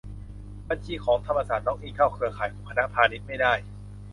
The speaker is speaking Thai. บัญชีของธรรมศาสตร์ล็อกอินเข้าเครือข่ายของคณะพาณิชย์ไม่ได้